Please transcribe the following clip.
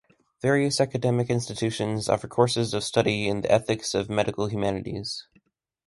Various academic institutions offer courses of study in the ethics of medical humanities.